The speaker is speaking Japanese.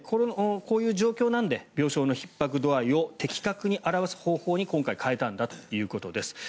こういう状況なので病床のひっ迫度合いを的確に表す方法に今回変えたんだということです。